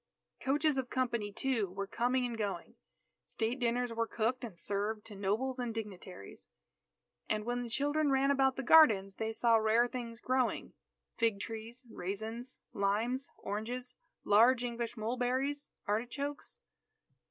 Coaches of company, too, were coming and going. State dinners were cooked and served to nobles and dignitaries. And when the children ran about the gardens, they saw rare things growing "fig trees, raisins, limes, oranges, large English mulberries, artichokes."